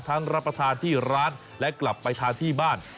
รับประทานที่ร้านและกลับไปทานที่บ้าน